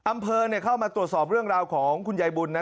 อำเภอเข้ามาตรวจสอบเรื่องราวของคุณยายบุญนะ